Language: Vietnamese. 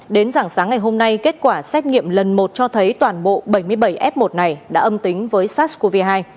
đến giảng sáng ngày hôm nay kết quả xét nghiệm lần một cho thấy toàn bộ bảy mươi bảy f một này đã âm tính với sars cov hai